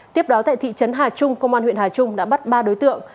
tiếp đó tại thị trấn hà trung công an huyện hà trung đã bắt ba đối tượng